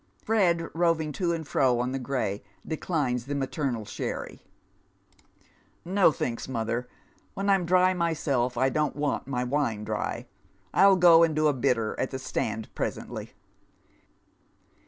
Fred, roving to and fro on the gray, declines the maternal eheny. " No thanks, mother ; when I'm dry myself I don't want mf wine dry. I'll go and do a bitter at the stand presently.